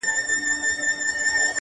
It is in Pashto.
نه د جنګ وه نه د ښکار نه د وژلو -